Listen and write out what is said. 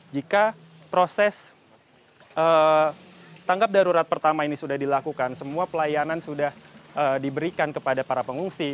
jika proses tanggap darurat pertama ini sudah dilakukan semua pelayanan sudah diberikan kepada para pengungsi